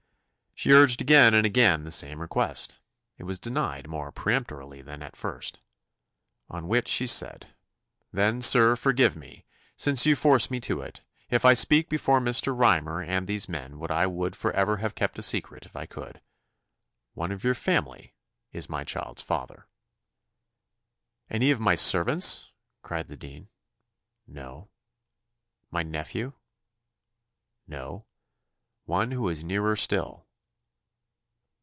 She urged again and again the same request: it was denied more peremptorily than at first. On which she said "Then, sir, forgive me, since you force me to it, if I speak before Mr. Rymer and these men what I would for ever have kept a secret if I could. One of your family is my child's father." "Any of my servants?" cried the dean. "No." "My nephew?" "No; one who is nearer still."